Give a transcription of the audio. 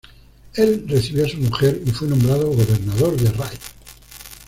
Él recibió a su mujer, y fue nombrado gobernador de Ray.